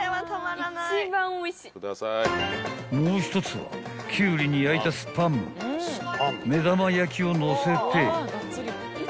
［もう１つはキュウリに焼いたスパム目玉焼きをのせて］